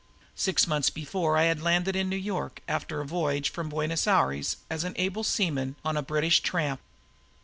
Six months before I had landed in New York after a voyage from Buenos Aires as able seaman on a British tramp.